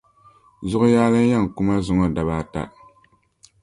Zuɣu yaali n yen kuma zuŋo dabaata.